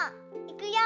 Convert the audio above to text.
いくよ。